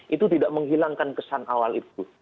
itu tidak menghilangkan kesan awal itu